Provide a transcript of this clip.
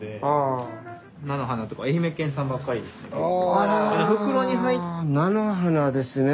あら菜の花ですね。